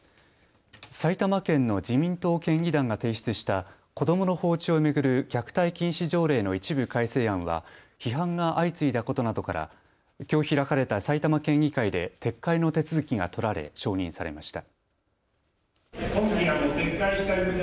埼玉県の自民党県議団が提出した子どもの放置を巡る虐待禁止条例の一部改正案は批判が相次いだことなどからきょう開かれた埼玉県議会で撤回の手続きが取られ承認されました。